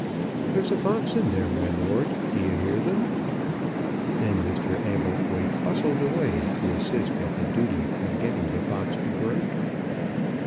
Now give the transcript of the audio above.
There's a fox in there, my lord, do you hear them?" Then Mr. Amblethwaite bustled away to assist at the duty of getting the fox to break.